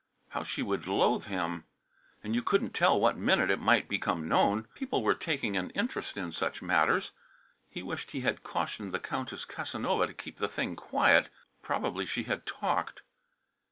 How she would loathe him! And you couldn't tell what minute it might become known. People were taking an interest in such matters. He wished he had cautioned the Countess Casanova to keep the thing quiet. Probably she had talked.